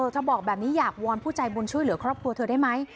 บอกแบบนี้อยากวอนผู้ใจบุญช่วยเหลือครอบครัวเธอได้ไหม